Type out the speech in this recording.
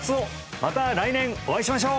また来年お会いしましょう！